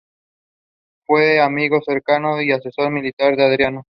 Fue amigo cercano y asesor militar de Adriano.